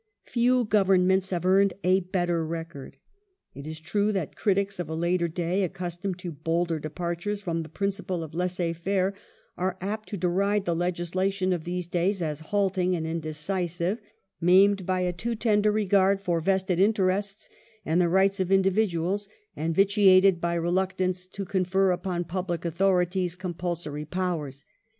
Few Governments have earned a better record. It is "^^"* true that critics of a later day, accustomed to bolder departures from the principle of laisser faire, are apt to deride the legislation of these years as halting and indecisive, maimed by a too tender 1878] TORY FINANCE 445 regard for vested interests and the rights of individuals, and viti ated by reluctance to confer upon public authorities compulsory powers.